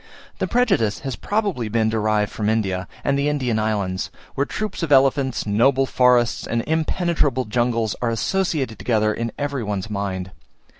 The prejudice has probably been derived from India, and the Indian islands, where troops of elephants, noble forests, and impenetrable jungles, are associated together in every one's mind.